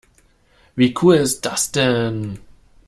Wie cool ist das denn?